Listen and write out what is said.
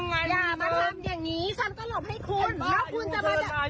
ไม่ฟังคุณมาซ้าย